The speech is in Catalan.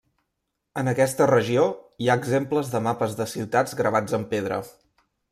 En aquesta regió, hi ha exemples de mapes de ciutats gravats en pedra.